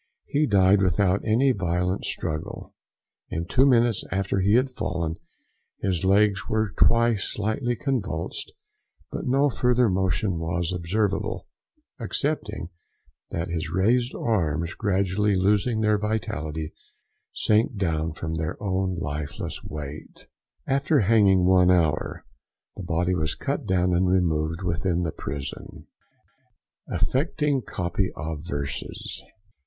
He died without any violent struggle. In two minutes after he had fallen his legs were twice slightly convulsed, but no further motion was observable, excepting that his raised arms, gradually losing their vitality, sank down from their own lifeless weight. After hanging one hour, the body was cut down and removed within the prison. AFFECTING COPY OF VERSES.